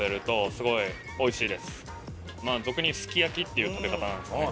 俗に言うすき焼きっていう食べ方なんですね。